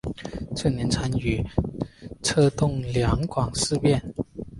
次年参与策动两广事变。